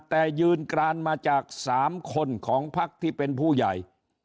แต่ยืนกรานมาจาก๓คนของพักที่เป็นผู้ใหญ่